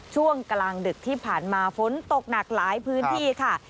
ช่วงกลางดึกที่ผ่านมาฝนตกหนักหลายพื้นที่ค่ะ